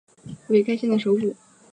为该县的首府。